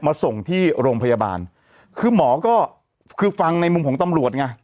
ส่งที่โรงพยาบาลคือหมอก็คือฟังในมุมของตำรวจไง